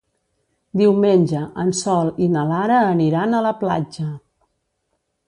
Diumenge en Sol i na Lara aniran a la platja.